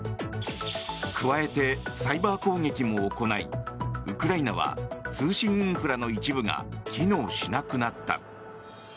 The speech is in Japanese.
加えてサイバー攻撃も行いウクライナは通信インフラの一部が機能しなくなった。